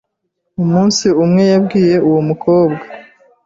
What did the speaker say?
Umunsi umwe yabwiye uwo mukobwa